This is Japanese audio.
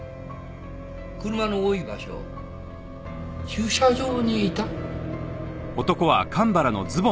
車の多い場所駐車場にいた。